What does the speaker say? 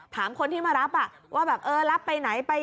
ถามคนที่มารับว่ารับไปไหน